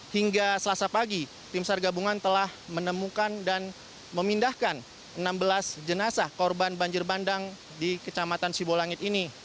hingga selasa pagi tim sar gabungan telah menemukan dan memindahkan enam belas jenazah korban banjir bandang di kecamatan sibolangit ini